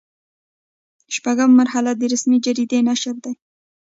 شپږمه مرحله د رسمي جریدې نشر دی.